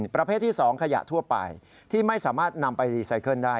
ประเภทที่๒ขยะทั่วไปที่ไม่สามารถนำไปรีไซเคิลได้